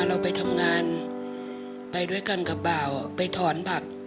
เราไปทำงานไปด้วยกันกับบ่าวไปถอนผัก